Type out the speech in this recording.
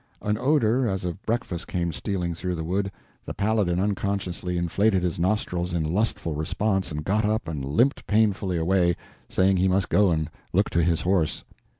An odor as of breakfast came stealing through the wood; the Paladin unconsciously inflated his nostrils in lustful response, and got up and limped painfully away, saying he must go and look to his horse.